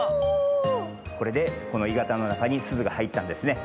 これでこのいがたのなかにすずがはいったんですね。